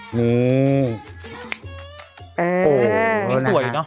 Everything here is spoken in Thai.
โหดูเดินดู